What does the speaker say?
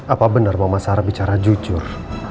apa benar mama sarah bicara jujur